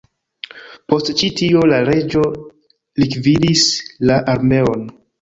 Post ĉi tio, la reĝo likvidis la armeon.